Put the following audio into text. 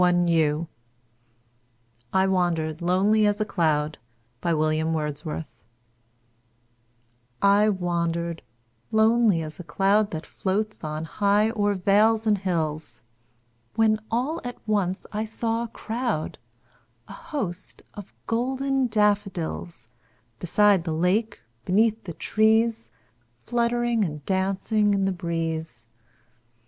William Wordsworth I Wandered Lonely As a Cloud I WANDERED lonely as a cloud That floats on high o'er vales and hills, When all at once I saw a crowd, A host, of golden daffodils; Beside the lake, beneath the trees, Fluttering and dancing in the breeze.